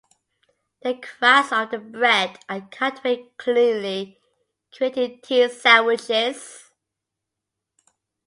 The crusts of the bread are cut away cleanly, creating tea sandwiches.